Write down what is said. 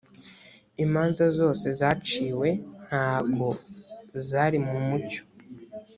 imanza zose zaciwe ntago zari mu mucyo